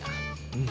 うん。